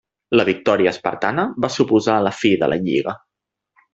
La victòria espartana va suposar la fi de la lliga.